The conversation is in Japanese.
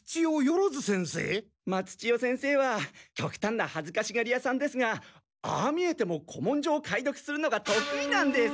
松千代先生はきょくたんなはずかしがり屋さんですがああ見えても古文書を解読するのが得意なんです。